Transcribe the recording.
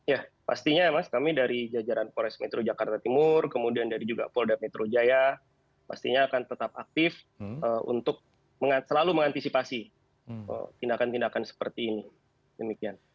ya pastinya mas kami dari jajaran polres metro jakarta timur kemudian dari juga polda metro jaya pastinya akan tetap aktif untuk selalu mengantisipasi tindakan tindakan seperti ini demikian